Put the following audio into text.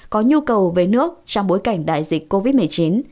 có nhu cầu về nước trong bối cảnh đại dịch covid một mươi chín